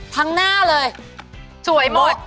ทั้งหน้าเลยสวยหมด